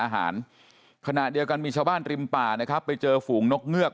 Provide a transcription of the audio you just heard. ขณะเดียวกันมีชาวบ้านริมป่านะครับไปเจอฝูงนกเงือก